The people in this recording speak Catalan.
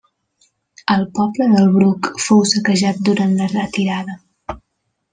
El poble del Bruc fou saquejat durant la retirada.